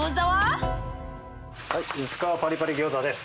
薄皮パリパリ餃子。